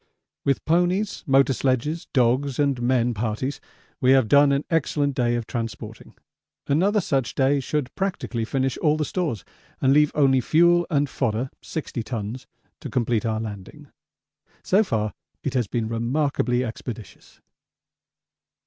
With ponies, motor sledges, dogs, and men parties we have done an excellent day of transporting another such day should practically finish all the stores and leave only fuel and fodder (60 tons) to complete our landing. So far it has been remarkably expeditious.